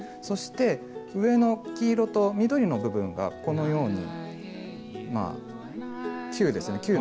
そして上の黄色と緑の部分がこのようにまあ球ですよね